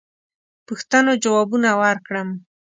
پوښتنو جوابونه ورکړم.